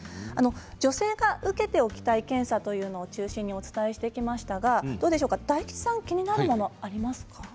女性が受けておきたい検査というのを中心にお伝えしてきましたが大吉さんは気になるものありますか。